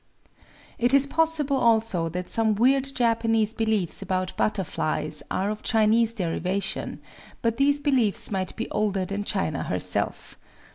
It is possible also that some weird Japanese beliefs about butterflies are of Chinese derivation; but these beliefs might be older than China herself.